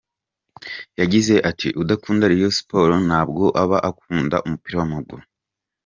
Yagize ati: “Udakunda Rayon Sports ntabwo aba akunda umupira w’amaguru.